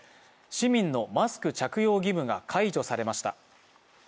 市民のマスク着用義務が解除されました。